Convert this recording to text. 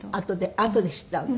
あとで知ったのね。